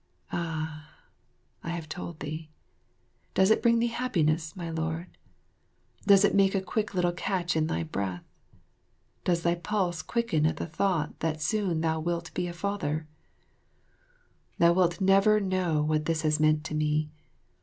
Ah ! I have told thee. Does it bring thee happiness, my lord? Does it make a quick little catch in thy breath? Does thy pulse quicken at the thought that soon thou wilt be a father? [Illustration: Mylady12.] Thou wilt never know what this has meant to me.